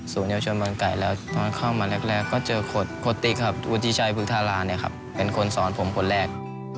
สูลิโหดชวนเปิ้ลไก่แล้วตอนเข้ามาแรกเด้อก้าเจอขทโฮติกครับพุธิชัยพุธาลาเป็นคนสอนผมคนแรก